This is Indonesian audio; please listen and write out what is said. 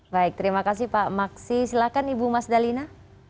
baik terima kasih pak maksi silahkan ibu mas dalina